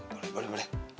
boleh boleh boleh